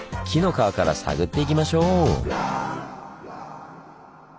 紀の川から探っていきましょう！